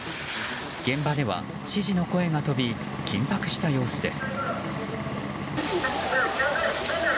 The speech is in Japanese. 現場では指示の声が飛び緊迫した様子です。